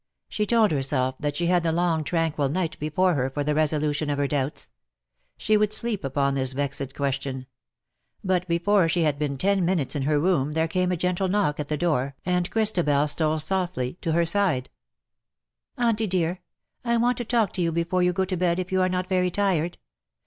She told herself that she had the long tranquil night before her for the resolution of her doubts. She would sleep upon this vexed question. But before she had been ten minutes in her room there came a gentle knock at the door, and Christabel stole softly to her side. LE SECRET DE POLICHINELLE. 255 ^^ Auntie^ dear, I want to talk to you before you go to bed, if you are not very tired.